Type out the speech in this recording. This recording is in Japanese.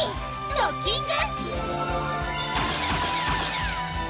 ドッキング！